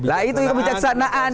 nah itu kebijaksanaan